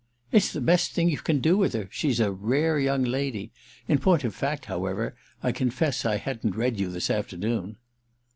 "It's the best thing you can do with her. She's a rare young lady! In point of fact, however, I confess I hadn't read you this afternoon."